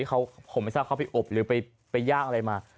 ผมไม่ทราบเขาไปอบหรือไปย่างอะไรมา